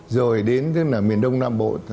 rồi đến miền đông nam bộ